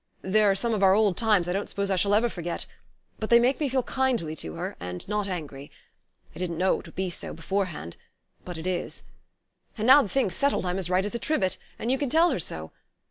There are some of our old times I don't suppose I shall ever forget; but they make me feel kindly to her, and not angry. I didn't know it would be so, beforehand but it is.... And now the thing's settled I'm as right as a trivet, and you can tell her so....